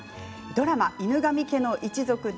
ドラマ「犬神家の一族」